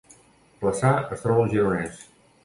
Flaçà es troba al Gironès